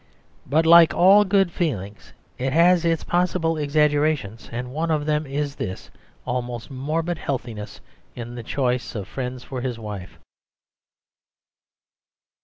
But, like all good feelings, it has its possible exaggerations, and one of them is this almost morbid healthiness in the choice of friends for his wife.